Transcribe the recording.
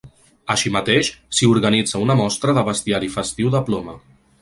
Així mateix, s’hi organitza una mostra de bestiari festiu de ploma.